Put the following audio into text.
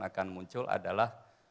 akan muncul adalah